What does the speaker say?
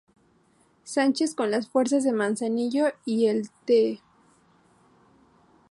Sánchez con las fuerzas de Manzanillo y el Tte.